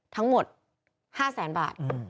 ทั้งหมด๕แสนบาท